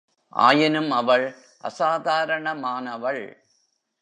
ஆயினும், அவள் அசாதாரணமானவள்.